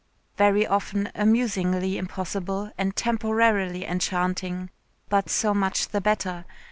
Very often amusingly impossible and temporarily enchanting, but so much the better.